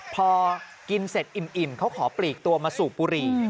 พอกินเสร็จอิ่มเขาขอปลีกตัวมาสูบบุหรี่